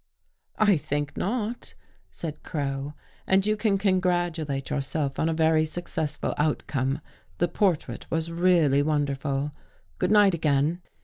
" I think not," said Crow, " and you can congratu late yourself on a very successful outcome. The portrait was really wonderful. Good night again."